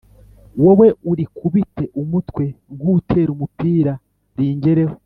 wowe urikubite umutwe nk’utera umupira ringereho